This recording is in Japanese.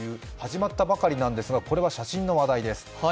始まったばかりなんですが、これは写真の話題です。